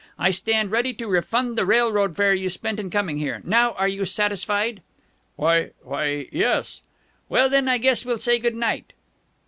I stand ready to refund the railroad fare you spent in coming here. Now are you satisfied?" "Why why, yes " "Well, then, I guess we'll say good night."